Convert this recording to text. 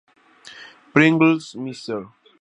Pringles, Mr.